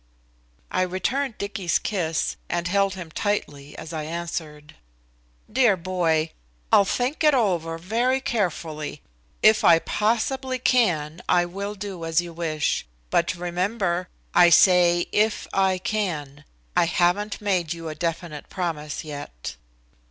I returned Dicky's kiss, and held him tightly as I answered: "Dear boy, I'll think it over very carefully. If I possibly can, I will do as you wish. But, remember, I say if I can. I haven't made you a definite promise yet."